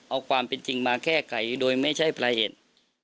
เอาความเป็นจริงมาแก้ไขโดยไม่ใช่ปลายเหตุ